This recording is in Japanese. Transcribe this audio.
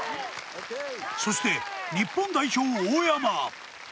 そして日本代表・大山。